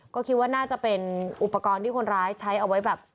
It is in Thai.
ก็คิดว่าน่าจะเป็นอุปกรณ์ที่คนร้ายใช้เอาไว้แบบ